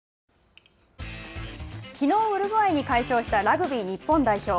きのう、ウルグアイに快勝したラグビー日本代表。